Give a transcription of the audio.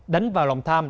đánh vào lòng tham